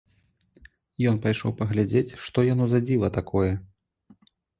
Ён пайшоў паглядзець, што яно за дзіва такое.